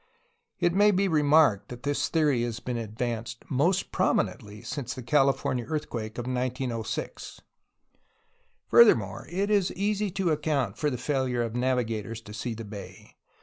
It may be remarked that this theory has been ad vanced most prominently since the California earthquake 1 2 A HISTORY OF CALIFORNIA of 1906. Furthermore, it is easy to account for the failure of navigators to see the bay.